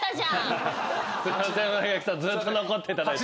ずっと残っていただいて。